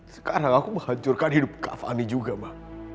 sekarang aku menghancurkan hidup kak fani juga ma